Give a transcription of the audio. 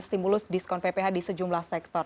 stimulus diskon pph di sejumlah sektor